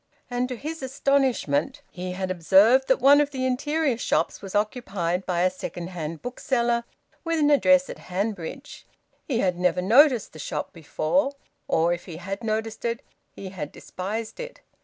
And, to his astonishment, he had observed that one of the interior shops was occupied by a second hand bookseller with an address at Hanbridge. He had never noticed the shop before, or, if he had noticed it, he had despised it.